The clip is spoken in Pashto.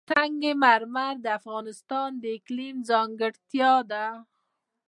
سنگ مرمر د افغانستان د اقلیم ځانګړتیا ده.